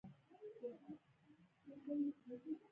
چيچنيايان، جرمنيان، ازبکان، انګريزان او يهود شته.